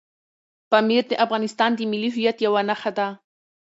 پامیر د افغانستان د ملي هویت یوه نښه ده.